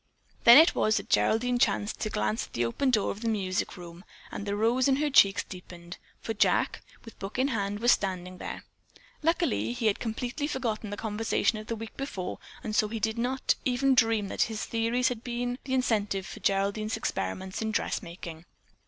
Then it was that Geraldine chanced to glance at the open door of the music room, and the rose in her cheeks deepened, for Jack, with book in hand, was standing there. Luckily he had completely forgotten the conversation of the week before and so he did not even dream that his theories had been the incentive for Geraldine's experiments in dressmaking.